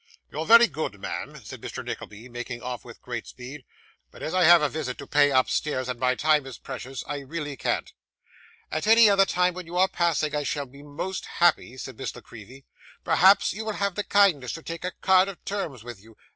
'You're very good, ma'am,' said Mr. Nickleby, making off with great speed; 'but as I have a visit to pay upstairs, and my time is precious, I really can't.' 'At any other time when you are passing, I shall be most happy,' said Miss La Creevy. 'Perhaps you will have the kindness to take a card of terms with you?